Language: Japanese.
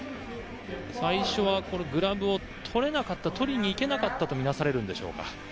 最初はグラブをとれなかったとりにいけなかったとみなされるんですか？